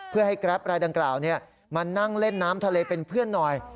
เพื่อให้แกรปรายดังกล่าวมานั่งเล่นน้ำทะเลเป็นเพื่อนหน่อย